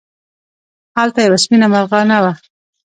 هلته یوه سپېنه مرغانه وه.